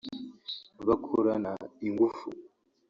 bakorana ingufu